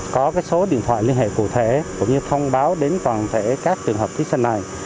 có số điện thoại liên hệ cụ thể cũng như thông báo đến toàn thể các trường hợp thí sinh này